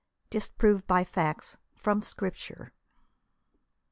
DISPROVED BY FACTS .' FROM SCRIPTURE.